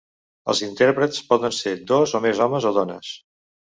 Els intèrprets poden ser dos o més homes o dones.